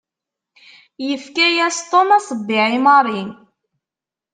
Yefka-yas Tom aṣebbiɛ i Mary.